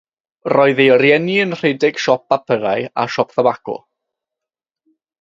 Roedd ei rieni yn rhedeg siop bapurau a siop thybaco.